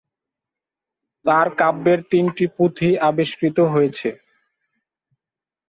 তার কাব্যের তিনটি পুঁথি আবিষ্কৃত হয়েছে।